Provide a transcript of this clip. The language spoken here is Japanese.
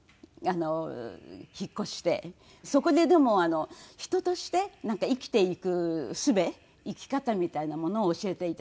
そこででも人として生きていくすべ生き方みたいなものを教えていただきました。